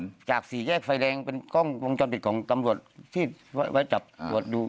ไม่จากจาก๔แยกไฟแรงเป็นกล้องวงจอลปิดของตำรวจที่ไว้จับดู